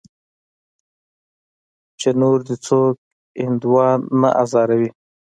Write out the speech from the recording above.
چې نور دې څوک هندوان نه ازاروي.